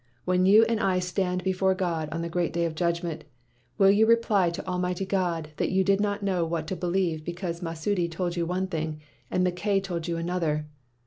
When you and I stand before God at the great day of judgment, will you reply to Almighty God that you did not know what to believe be cause Masudi told you one thing and Mackay told you another?